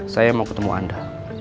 saya mau ketemu anda